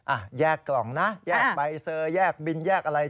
อ่ะแยกกล่องนะแยกใบเซอร์แยกบินแยกอะไร